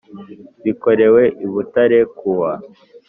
Bikorewe i Butare kuwa